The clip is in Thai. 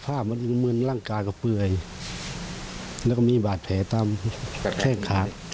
ภาพมันมืนร่างกายก็เปื่อยแล้วก็มีบาดแผลตามแข้งขา